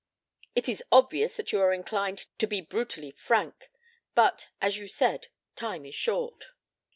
It is obvious that you are inclined to be brutally frank. But, as you said, time is short."